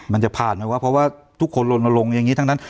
มันจะผ่านไหมว่าเพราะว่าทุกคนลนลงอย่างนี้ทั้งนั้น